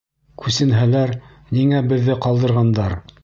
Күсенһәләр, ниңә беҙҙе ҡалдырғандар?